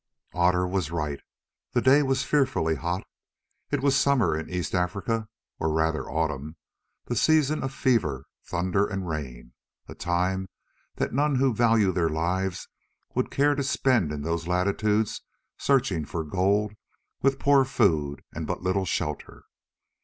Otter was right. The day was fearfully hot. It was summer in East Africa, or rather autumn, the season of fever, thunder and rain, a time that none who valued their lives would care to spend in those latitudes searching for gold with poor food and but little shelter.